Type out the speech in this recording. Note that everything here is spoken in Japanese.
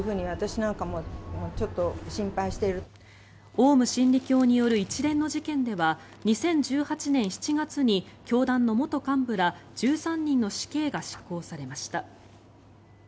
オウム真理教による一連の事件では２０１８年７月に教団の元幹部ら１３人の死刑が執行されました。